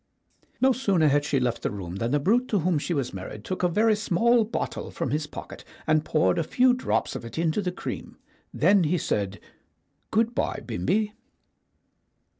No sooner had she left the room than the brute to whom she was married took a very small bottle from his pocket and poured a few drops of it into the cream. Then he said, "Good bye, Bimbi."